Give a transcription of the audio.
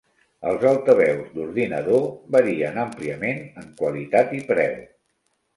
Els altaveus d'ordinador varien àmpliament en qualitat i preu.